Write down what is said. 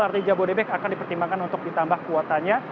lrt jabodebek akan dipertimbangkan untuk ditambah kuotanya